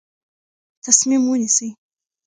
تصمیم ونیسئ.